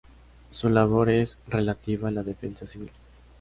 Su labor es la relativa a la defensa civil.